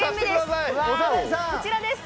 こちらです。